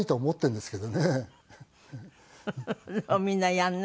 でもみんなやらない？